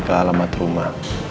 ke alamat rumah